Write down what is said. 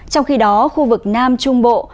trong khi đó khu vực nam trung bộ